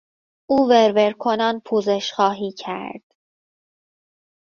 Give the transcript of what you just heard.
او ور ور کنان پوزش خواهی کرد.